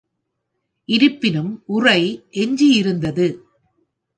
இருப்பினும், உறை எஞ்சி இருந்தது.